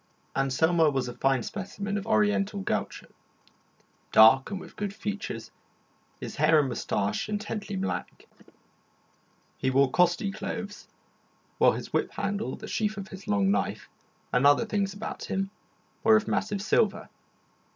Anselmo was a fine specimen of the Oriental gaucho, dark and with good features, his hair and moustache intensely black. He wore costly clothes, while his whip handle, the sheath of his long knife, and other things about him were of massive silver.